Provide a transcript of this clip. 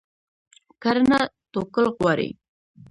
کرنه توکل غواړي.